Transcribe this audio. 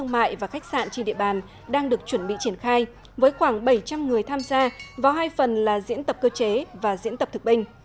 mại và khách sạn trên địa bàn đang được chuẩn bị triển khai với khoảng bảy trăm linh người tham gia vào hai phần là diễn tập cơ chế và diễn tập thực binh